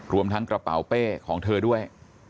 รวมทั้งกระเป๋าเป้ของเธอด้วย